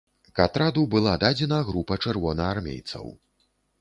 К атраду была дадзена група чырвонаармейцаў.